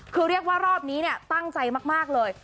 คือเรียกว่ารอบนี้เนี่ยตั้งใจมากเลย